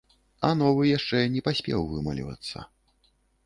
А новы яшчэ не паспеў вымалевацца.